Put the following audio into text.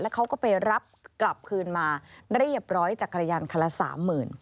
แล้วเขาก็ไปรับกลับคืนมาเรียบร้อยจากกระยานคันละ๓๐๐๐๐บาท